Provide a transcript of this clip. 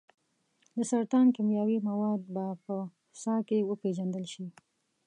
د سرطان کیمیاوي مواد به په ساه کې وپیژندل شي.